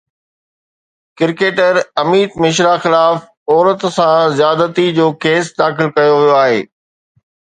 cricketer Amit Mishra خلاف عورت سان زيادتي جو ڪيس داخل ڪيو ويو آهي